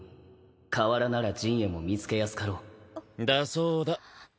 河原なら刃衛も見つけやすかろうだそうだ。